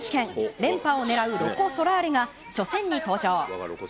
連覇を狙うロコ・ソラーレが初戦に登場。